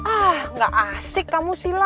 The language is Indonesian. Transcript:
ah gak asik kamu sila